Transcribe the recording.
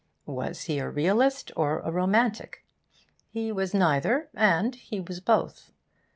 Was he a realist or a romantic? He was neither, and he was both.